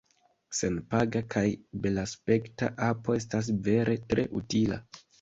Senpaga kaj belaspekta apo estas vere tre utila.